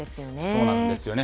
そうなんですよね。